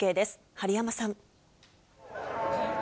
治山さん。